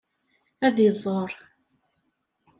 Ad iẓer.